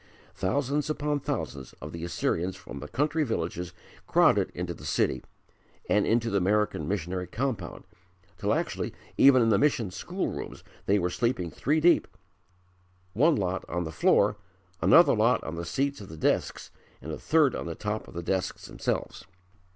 Thousands upon thousands of the Assyrians from the country villages crowded into the city and into the American missionary compound, till actually even in the mission school rooms they were sleeping three deep one lot on the floor, another lot on the seats of the desks and a third on the top of the desks themselves.